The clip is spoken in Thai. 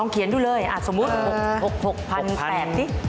ลองเขียนดูเลยสมมุติ๖๖๘สิ